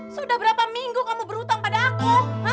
sudah berapa minggu kamu berhutang pada aku